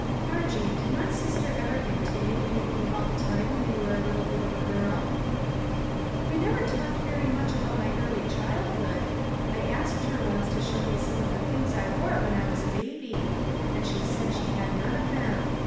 Margie, did my sister ever hint to you anything about the time when you were a little bit of a girl ?"" We never talked very much about my early childhood. I asked her, once, to show me some of the things I wore when I was a baby ; and she said she had none of them.